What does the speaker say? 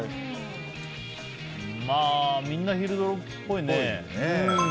みんな、昼ドラっぽいね。